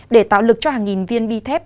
để tạo lực cho hàng nghìn viên bi thép